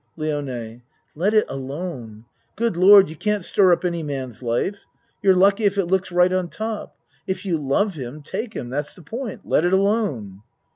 LIONE Let it alone. Good Lord, you can't stir up any man's life. You're lucky if it looks right on top. If you love him take him that's the point. Let it alone.